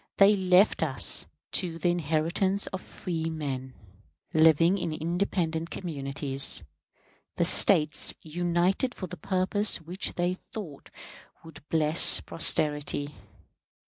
They left us to the inheritance of freemen, living in independent communities, the States united for the purposes which they thought would bless posterity.